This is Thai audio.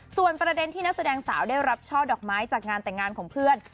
ส่วนประเด็นที่นักแสดงสาวได้รับช่อดอกไม้จากงานแต่งงานของเพื่อน